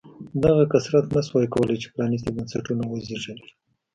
دغه کثرت نه شوای کولای چې پرانېستي بنسټونه وزېږوي.